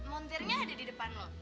ini montirnya ada di depan lo